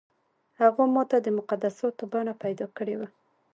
هغو ماته د مقدساتو بڼه پیدا کړې وه.